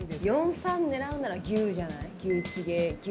４、３、狙うなら牛じゃない？